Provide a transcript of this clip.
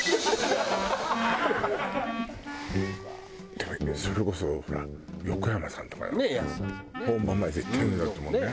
でもそれこそほら横山さんとか本番前絶対飲んでたっていうもんね。